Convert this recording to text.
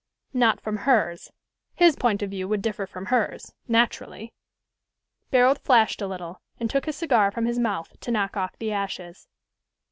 "Not from hers. His point of view would differ from hers naturally." Barold flashed a little, and took his cigar from his mouth to knock off the ashes.